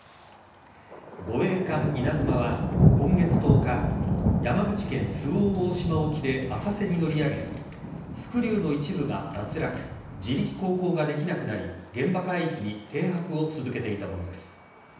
護衛艦「いなづま」は今月１０日山口県周防大島沖で浅瀬に乗り上げスクリューの一部が脱落自力航行ができなくなり現場海域に停泊を続けていたものです。